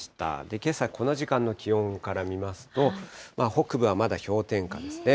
けさ、この時間の気温から見ますと、北部はまだ氷点下ですね。